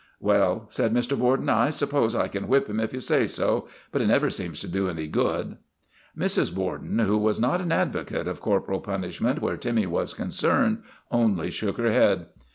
" Well," said Mr. Borden, " I suppose I can whip 196 THE REGENERATION OF TIMMY him if you say so, but it never seems to do any good." Mrs. Borden, who was not an advocate of cor poral punishment where Timmy was concerned, only shook her head.